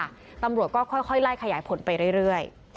ธรรมราชค่ะตำรวจก็ค่อยค่อยไล่ขยายผลไปเรื่อยเรื่อย